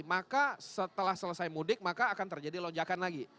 maka setelah selesai mudik maka akan terjadi lonjakan lagi